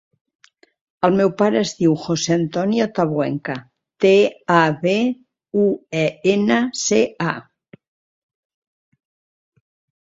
El meu pare es diu José antonio Tabuenca: te, a, be, u, e, ena, ce, a.